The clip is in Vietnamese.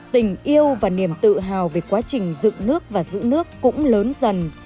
tình yêu và niềm tự hào về quá trình dựng nước và giữ nước cũng lớn dần